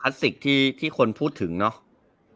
สิกที่คนพูดถึงเนาะ